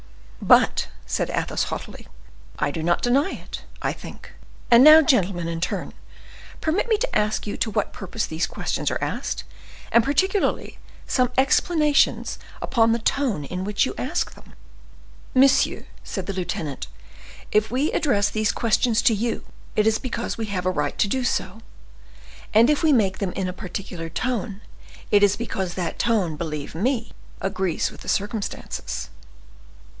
"But," said Athos, haughtily, "I do not deny it, I think; and now, gentlemen, in turn, permit me to ask you to what purpose these questions are asked, and particularly some explanations upon the tone in which you ask them?" "Monsieur," said the lieutenant, "if we address these questions to you, it is because we have a right to do so, and if we make them in a particular tone, it is because that tone, believe me, agrees with the circumstances."